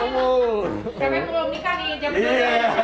kemen belum nikah ya